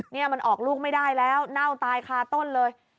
นี่มันออกลูกไม่ได้แล้วเน่าตายคาต้นเลย